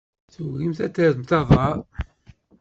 Tugim ad terrem aḍar?